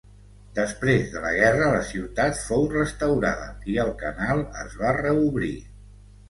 Després de la guerra la ciutat fou restaurada i el canal es va reobrir.